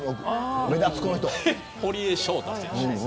堀江翔太選手です。